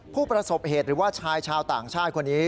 ผู้ประสบเหตุหรือว่าชายชาวต่างชาติคนนี้